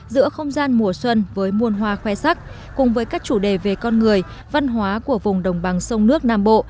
giữa không gian mùa xuân với muôn hoa khoe sắc cùng với các chủ đề về con người văn hóa của vùng đồng bằng sông nước nam bộ